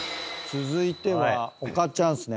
続いてはおかっちゃんですね。